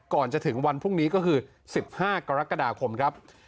ก่อนจะถึงวันพรุ่งนี้ก็คือ๑๕กรกฎาคมครับ